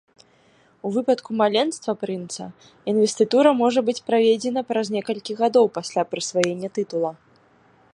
У выпадку маленства прынца інвестытура можа быць праведзена праз некалькі гадоў пасля прысваення тытула.